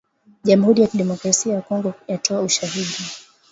Jamuhuri ya kidemokrasaia ya Kongo yatoa ushahidi